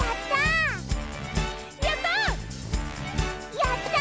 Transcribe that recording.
やった！